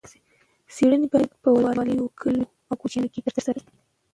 څېړنې باید په ولسوالیو، کلیو او کوچیانو کې ترسره شي.